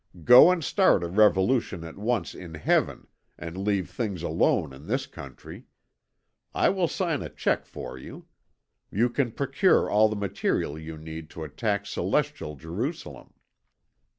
Go and start a revolution at once in Heaven, and leave things alone in this country. I will sign a cheque for you. You can procure all the material you need to attack celestial Jerusalem."